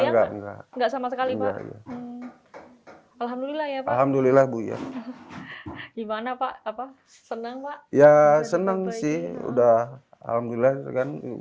alhamdulillah ya alhamdulillah buya gimana pak apa seneng pak ya seneng sih udah alhamdulillah